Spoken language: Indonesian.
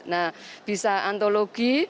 nah bisa antologi